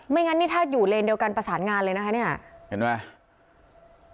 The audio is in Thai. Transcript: งั้นนี่ถ้าอยู่เลนเดียวกันประสานงานเลยนะคะเนี่ยเห็นไหม